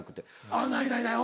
あぁないないない。